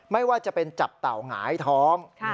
ไม่ว่าจะเป็นจับเต่าหงายท้อง